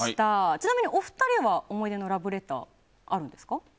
ちなみにお二人は思い出のラブレターあるんですか？